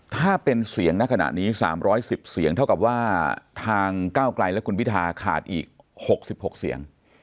ถ้าเป็นเสียงในขณะนี้๓๑๐เสียงเท่ากับว่าทางก้าวไกลและคุณพิธาขาดอีก๖๖เสียง